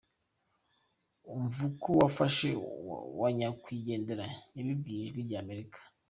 Umva uko umufasha wa nyakwigendera yabibwiye Ijwi ry’Amerika.